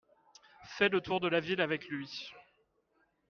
Fais le tour de la ville avec lui.